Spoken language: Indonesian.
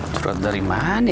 surat dari mana ya